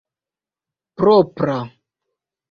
propra